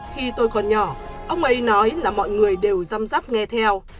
khi tôi còn nhỏ ông ấy nói là mọi người đều dăm dắp nghe theo